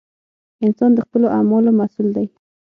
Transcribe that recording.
• انسان د خپلو اعمالو مسؤل دی.